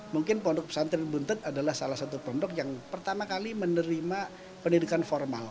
mungkin pondok pesantren buntet adalah salah satu pondok yang pertama kali menerima pendidikan formal